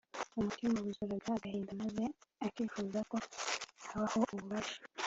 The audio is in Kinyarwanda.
umutima wuzuraga agahinda maze akifuza ko habaho ububasha